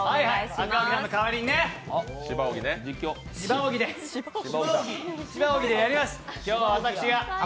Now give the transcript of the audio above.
赤荻アナの代わりに、柴荻でやります。